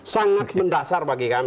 sangat mendasar bagi kami